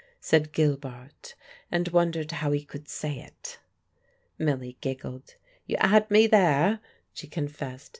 said Gilbart, and wondered how he could say it. Milly giggled. "You 'ad me there," she confessed.